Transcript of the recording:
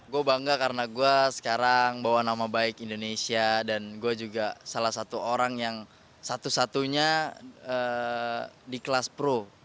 gue bangga karena gue sekarang bawa nama baik indonesia dan gue juga salah satu orang yang satu satunya di kelas pro